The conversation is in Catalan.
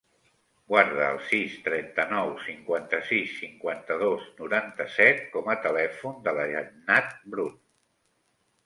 Guarda el sis, trenta-nou, cinquanta-sis, cinquanta-dos, noranta-set com a telèfon de la Jannat Brun.